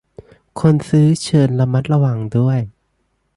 คนซื้อเชิญระมัดระวังด้วย